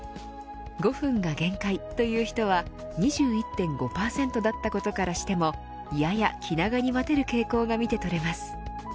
５分が限界という人は２１．５％だったことからしてもやや気長に待てる傾向が見て取れます。